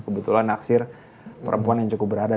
kebetulan naksir perempuan yang cukup berada